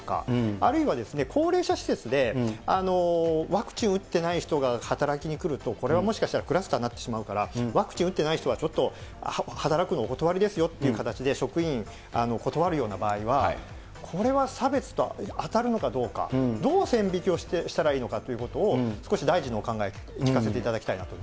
あるいは、高齢者施設でワクチンを打ってない人が働きに来ると、これはもしかしたらクラスターになってしまうから、ワクチン打ってない人はちょっと働くのお断りですよっていう形で、職員、断るような場合は、これは差別と当たるのかどうか、どう線引きをしたらいいのかというのを、少し大臣のお考え、聞かせていただきたいなという